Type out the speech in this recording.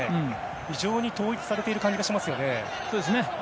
非常に統一されている感じがしますよね。